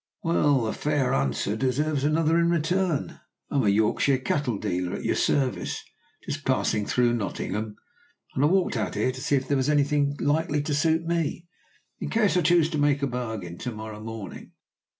"Well, a fair answer deserves another in return. I am a Yorkshire cattle dealer, at your service, just passing through Nottingham, and I walked out here to see if there was any thing likely to suit me, in case I chose to make a bargain to morrow morning.